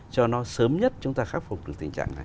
cho nó sớm nhất chúng ta khắc phục được tình trạng này